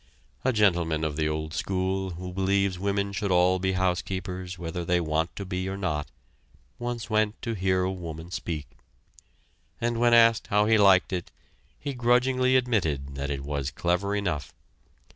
A gentleman of the old school, who believes women should all be housekeepers whether they want to be or not, once went to hear a woman speak; and when asked how he liked it he grudgingly admitted that it was clever enough.